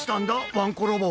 ワンコロボ。